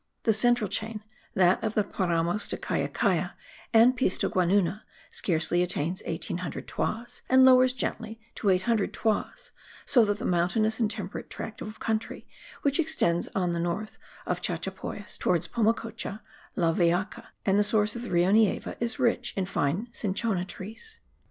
The central chain, that of the Paramos de Callacalla, and Piscoguanuna, scarcely attains 1800 toises, and lowers gently to 800 toises; so that the mountainous and temperate tract of country which extends on the north of Chachapoyas towards Pomacocha, La Vellaca and the source of the Rio Nieva is rich in fine cinchona trees.